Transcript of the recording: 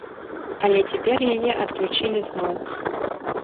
Але цяпер яе адключылі зноў.